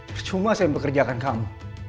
percuma saya pekerjakan kamu